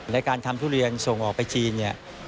ในการทำทุเรียนส่งออกไปจีนเนี่ย